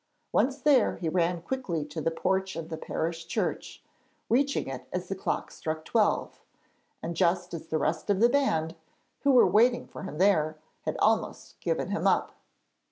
Once there he ran quickly to the porch of the parish church, reaching it as the clock struck twelve, and just as the rest of the band, who were waiting for him there, had almost given him up.